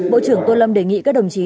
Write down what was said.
bộ trưởng tôn lâm đề nghị các đồng chí